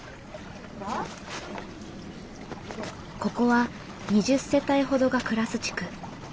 ここは２０世帯ほどが暮らす地区。